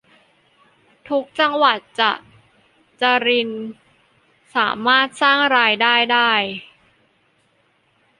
ทุกจังหวัดจะจริญสามารถสร้างรายได้